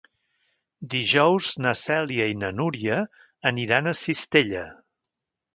Dijous na Cèlia i na Núria aniran a Cistella.